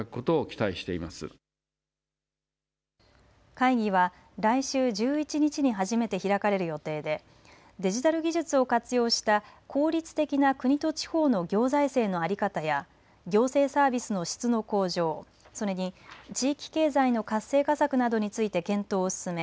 会議は来週１１日に初めて開かれる予定でデジタル技術を活用した効率的な国と地方の行財政の在り方や行政サービスの質の向上、それに地域経済の活性化策などについて検討を進め